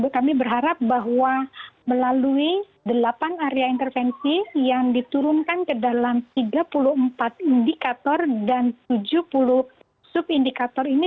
kami berharap bahwa melalui delapan area intervensi yang diturunkan ke dalam tiga puluh empat indikator dan tujuh puluh subindikator ini